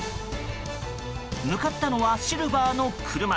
向かったのはシルバーの車。